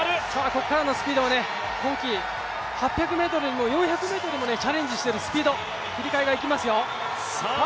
ここからのスピードを、今季８００ｍにもチャレンジしているスピード、切り替えが生きますよ。